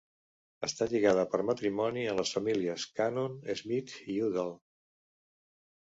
Està lligada per matrimoni a les famílies Cannon, Smith i Udall.